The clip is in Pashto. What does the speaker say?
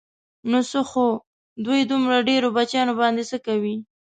نو څه خو دوی دومره ډېرو بچیانو باندې څه کوي.